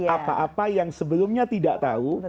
apa apa yang sebelumnya tidak tahu